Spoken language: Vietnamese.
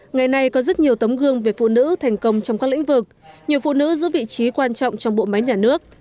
ngày nay có rất nhiều tấm gương về phụ nữ thành công trong các lĩnh vực nhiều phụ nữ giữ vị trí quan trọng trong bộ máy nhà nước